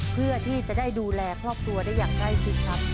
เพื่อที่จะได้ดูแลครอบครัวได้อย่างใกล้ชิดครับ